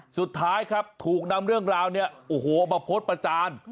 สุดท้ายครับถูกนำเรื่องราวเนี่ยโอ้โหมาโพสต์ประจาน